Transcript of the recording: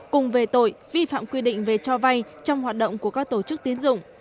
cùng về tội vi phạm quy định về cho vay trong hoạt động của các tổ chức tiến dụng